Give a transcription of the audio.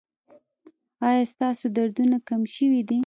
ایا ستاسو دردونه کم شوي دي؟